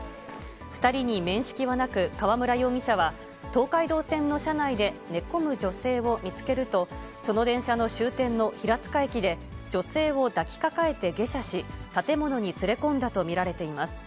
２人に面識はなく、河村容疑者は、東海道線の車内で寝込む女性を見つけると、その電車の終点の平塚駅で女性を抱きかかえて下車し、建物に連れ込んだと見られています。